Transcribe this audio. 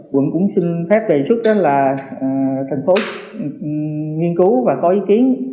quận cũng xin phép đề xuất là thành phố nghiên cứu và có ý kiến